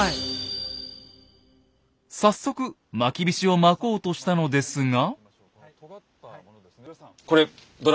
早速まきびしをまこうとしたのですが。